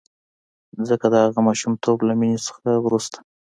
ځکه د هغه ماشومتوب له مینې نه وروسته.